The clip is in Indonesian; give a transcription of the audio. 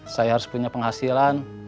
saya harus punya penghasilan